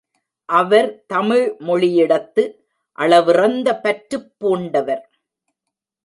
அவர் தமிழ் மொழியிடத்து அளவிறந்த பற்றுப் பூண்டவர்.